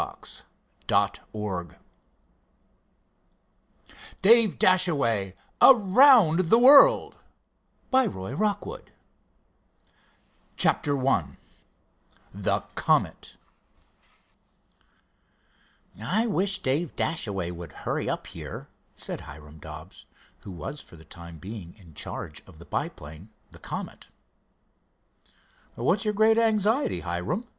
CONCLUSION 195 DAVE DASHAWAY AROUND THE WORLD CHAPTER I THE COMET "I wish Dave Dashaway would hurry up here," said Hiram Dobbs, who was for the time being in charge of the biplane, the Comet. "What's your great anxiety, Hiram?"